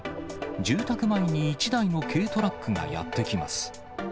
住宅前に一台の軽トラックがやって来ます。